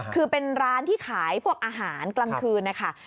คือเป็นร้านที่ขายพวกอาหารกลางคืนนะคะ